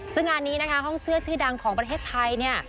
ซึ่งงานนี้นะคะห้องเสื้อชื่อดังของประเทศไทยเนี่ย